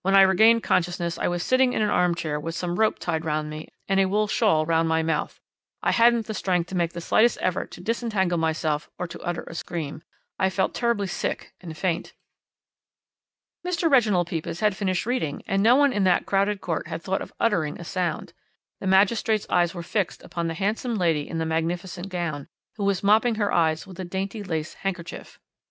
"'"When I regained consciousness I was sitting in an arm chair with some rope tied round me and a wool shawl round my mouth. I hadn't the strength to make the slightest effort to disentangle myself or to utter a scream. I felt terribly sick and faint."' "Mr. Reginald Pepys had finished reading, and no one in that crowded court had thought of uttering a sound; the magistrate's eyes were fixed upon the handsome lady in the magnificent gown, who was mopping her eyes with a dainty lace handkerchief.